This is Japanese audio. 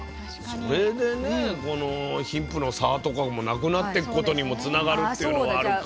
それでねこの貧富の差とかもなくなってくことにもつながるっていうのはあるか。